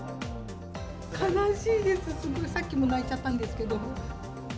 悲しいです、すごい、さっきも泣いちゃったんですけど。